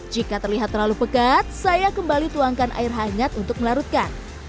jika terlihat terlalu pekat saya kembali tuangkan air hangat untuk melarutkan